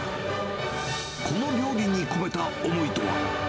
この料理に込めた思いとは。